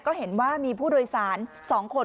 ก็เห็นว่ามีผู้โดยสาร๒คน